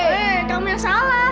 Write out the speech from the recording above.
hei kamu yang salah